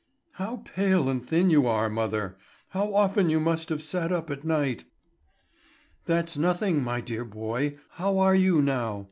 "How pale and thin you are, mother! How often you must have sat up at night!" "That's nothing, my dear boy. How are you now?